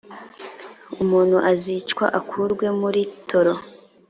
umuntu azicwe akurwe muri toro